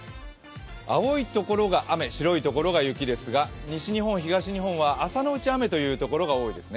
青いところが雨白いところが雪ですが西日本、東日本は朝のうち雨というところが多くなりますね。